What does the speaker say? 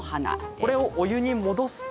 これをお湯に戻すと